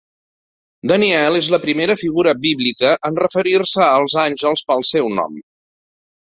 Daniel és la primera figura bíblica en referir-se als àngels pel seu nom.